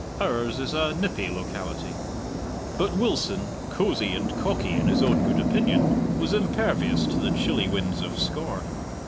Ours is a nippy locality. But Wilson, cosy and cocky in his own good opinion, was impervious to the chilly winds of scorn.